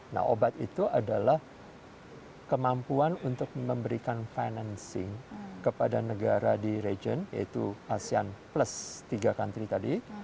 nah obat itu adalah kemampuan untuk memberikan financing kepada negara di region yaitu asean plus tiga country tadi